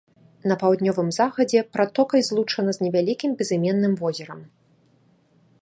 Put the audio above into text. На паўднёвым захадзе пратокай злучана з невялікім безыменным возерам.